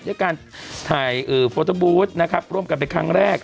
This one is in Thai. กับการถ่ายเออโฟโต้บู๊ดนะครับร่วมกันเป็นครั้งแรก